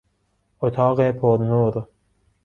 اتاق پرنور